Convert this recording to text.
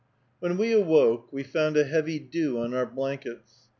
When we awoke, we found a heavy dew on our blankets.